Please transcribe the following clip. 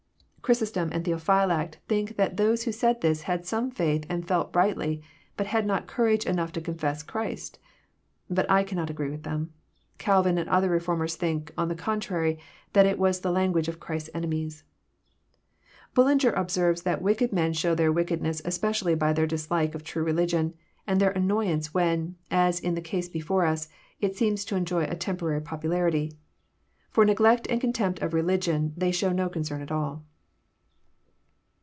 Chrysostom and Theophylact think that those who said this had some faith and felt rightly, but had not courage enough to confess Christ. But I cannot agree with them. Calvin and other reformers think, on the contrary, that it was the language of Christ*s enemies. Bullinger observes that wicked men show their wickedness especially by their dislike of true religion, and their annoyance when, as in the case before us, it seems to enjoy a temporary popularity. For neglect and contempt of religion they show no concern at all.